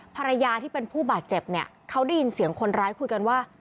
ภรรยาที่เป็นผู้บาดเจ็บเนี่ยเขาได้ยินเสียงคนร้ายคุยกันว่า